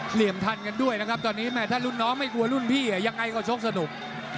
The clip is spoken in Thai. เหลี่ยมทันกันด้วยนะครับตอนนี้แม่ถ้ารุ่นน้องไม่กลัวรุ่นพี่ยังไงก็ชกสนุก